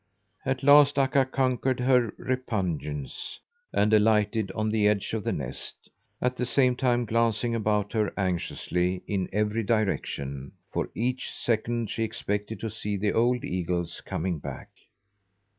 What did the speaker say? At last Akka conquered her repugnance and alighted on the edge of the nest, at the same time glancing about her anxiously in every direction, for each second she expected to see the old eagles coming back.